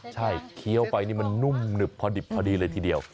ใช่เคี้ยวไปนี่มันนุ่มหนึบพอดิบพอดีเลยทีเดียว